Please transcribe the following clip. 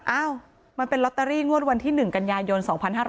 อ้าวมันเป็นลอตเตอรี่งวดวันที่๑กันยายน๒๕๕๙